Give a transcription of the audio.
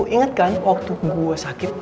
inget kan waktu gua sakit